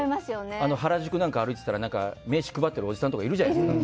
原宿なんか歩いていたら名刺配ってるおじさんとかいるじゃないですか。